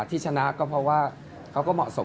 ที่ชนะก็เพราะว่าเขาก็เหมาะสม